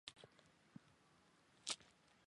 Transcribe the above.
阿尔来旁圣日耳曼人口变化图示